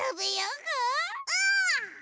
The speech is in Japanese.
うん！